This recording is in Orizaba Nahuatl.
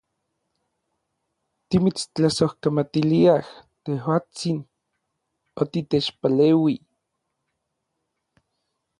Timitstlasojkamatiliaj, tejuatsin, otitechpaleui.